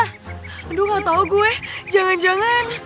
aduh gak tau gue jangan jangan